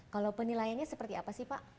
kalau penilaiannya seperti apa sih pak